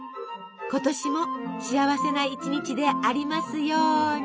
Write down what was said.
今年も幸せな一日でありますように！